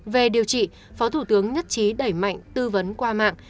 về điều trị phó thủ tướng nhất trí đẩy mạnh tư vấn qua mạng